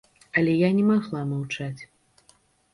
Але я не магла маўчаць.